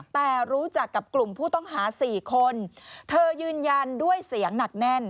แต่รู้จักกับกลุ่มผู้ต้องหา๔คนเธอยืนยันด้วยเสียงหนักแน่น